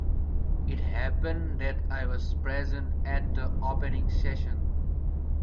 It happened that I was present at the opening session.